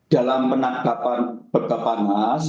dalam penangkapan bapak panas